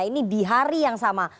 ini di hari yang sama